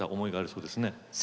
そうですね